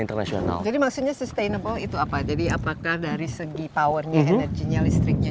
internasional jadi maksudnya sustainable itu apa jadi apakah dari segi powernya energinya listriknya